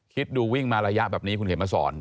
คิดดูวิ่งมาระยะแบบนี้คุณเขียนมาสอน